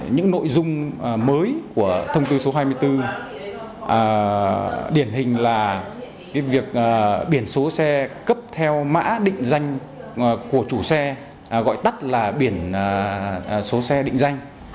những nội dung mới của thông tư số hai mươi bốn điển hình là việc biển số xe cấp theo mã định danh của chủ xe gọi tắt là biển số xe định danh